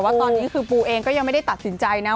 ว่าตอนนี้คือปูเองก็ยังไม่ได้ตัดสินใจนะ